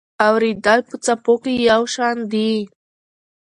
اورېدل په څپو کې یو شان دي.